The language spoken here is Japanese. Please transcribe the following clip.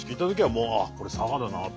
もうあっこれ佐賀だなと。